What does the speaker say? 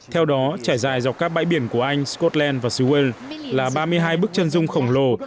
theo đó trải dài dọc các bãi biển của anh scotland và sewell là ba mươi hai bức chân dung khổng lồ